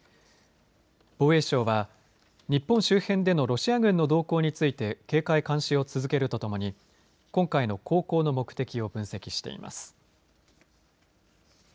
防衛省は日本周辺でのロシア軍の動向について警戒監視を続けるとともに今回の航行の目的を分析しています。